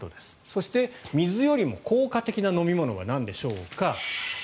そして、水よりも効果的な飲み物はなんでしょうか。